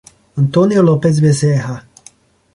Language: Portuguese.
Antônio Lopes Bezerra